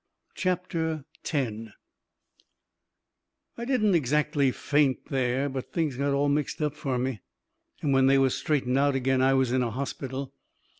CHAPTER X I didn't exactly faint there, but things got all mixed fur me, and when they was straightened out agin I was in a hospital.